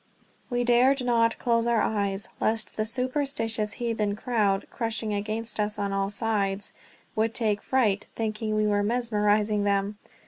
We dared not close our eyes, lest the superstitious heathen crowd crushing against us on all sides would take fright, thinking we were mesmerizing them.